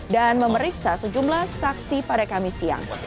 dan memeriksa sejumlah saksi pada kami siang